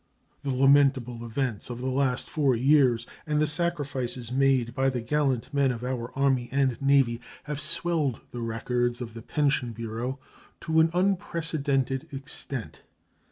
The lamentable events of the last four years and the sacrifices made by the gallant men of our Army and Navy have swelled the records of the Pension Bureau to an unprecedented extent.